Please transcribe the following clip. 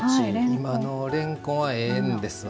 今のれんこんはええんですわ。